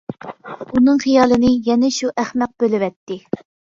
ئۇنىڭ خىيالىنى يەنە شۇ ئەخمەت بۆلىۋەتتى.